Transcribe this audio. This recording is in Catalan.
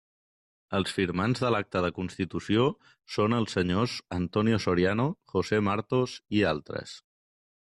Els firmants de l'acta de constitució són els senyors Antonio Soriano, José Martos i altres.